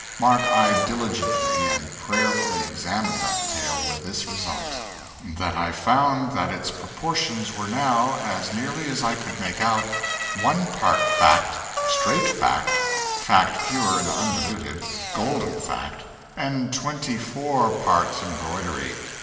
Mark, I diligently and prayerfully examined that tale with this result: that I found that its proportions were now, as nearly as I could make oat, one part fact, straight fact, fact pure and undiluted, golden fact, and twenty four parts embroidery.